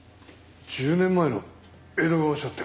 １０年前の江戸川署って。